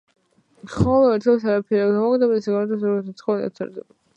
ხოლო ერთეულსაც არაფერი არ გამოაკლდა და ისევ დავწერთ რომ გვაქვს ოთხი ერთეული.